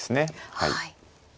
はい。